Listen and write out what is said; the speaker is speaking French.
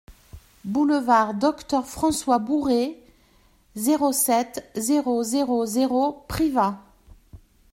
Boulevard Docteur François Bourret, zéro sept, zéro zéro zéro Privas